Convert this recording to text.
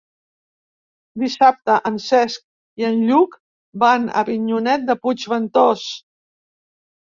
Dissabte en Cesc i en Lluc van a Avinyonet de Puigventós.